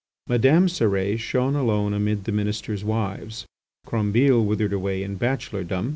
Madame Cérès shone alone amid the Ministers' wives. Crombile withered away in bachelordom.